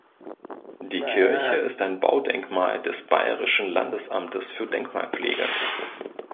Die Kirche ist ein Baudenkmal des Bayerischen Landesamtes für Denkmalpflege.